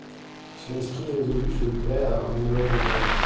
Son esprit irrésolu se livrait à un monologue intérieur.